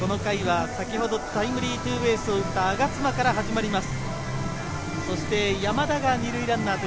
先ほどタイムリーツーベースを打った我妻から始まります。